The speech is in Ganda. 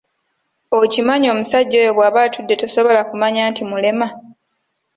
Okimanyi omusajja oyo bwaba atudde tosobola kumanya nti mulema